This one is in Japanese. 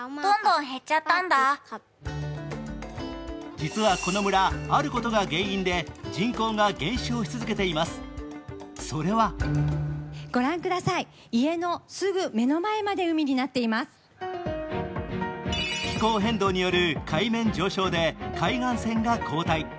実はこの村、あることが原因で人口が減少し続けています、それは気候変動による海面上昇で海岸線が後退。